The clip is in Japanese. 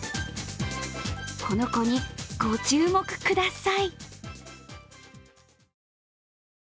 この子にご注目ください。